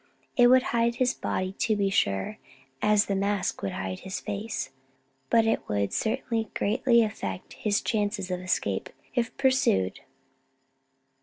It would hide his body, to be sure, as the mask would hide his face, but it would certainly greatly affect his chances of escape, if pursued.